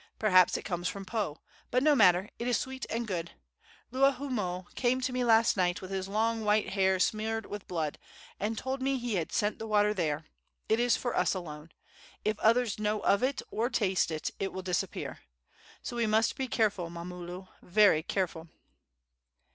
Perhaps it comes from Po; but no matter it is sweet and good. Luahoomoe came to me last night, with his long, white hair smeared with blood, and told me he had sent the water there. It is for us alone. If others know of it or taste it, it will disappear. So we must be careful, Mamulu, very careful."